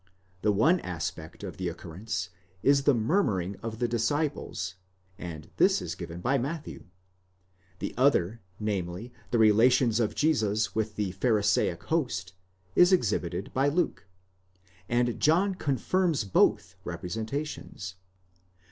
The one aspect of the occurrence is the murmuring of the disciples, and this is given by Matthew; the other, namely, the relations of Jesus with the pharisaic host, is exhibited by Luke ; and John confirms both representations.